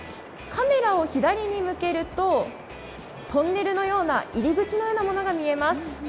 カメラを左に向けるとトンネルのような入り口のようなものが見えます。